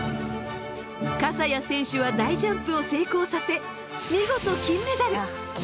笠谷選手は大ジャンプを成功させ見事金メダル。